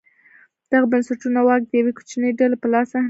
دغه بنسټونه واک د یوې کوچنۍ ډلې په لاس انحصاروي.